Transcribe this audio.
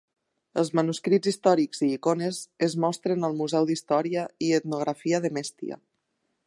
Els manuscrits històrics i icones es mostren al Museu d'Història i Etnografia de Mestia.